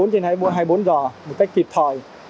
hai mươi bốn trên hai mươi bốn giờ một cách kịp thời